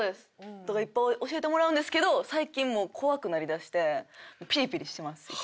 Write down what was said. いっぱい教えてもらうんですけど最近もう怖くなりだしてぴりぴりしてます。